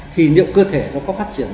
thì liệu cơ thể nó có phát triển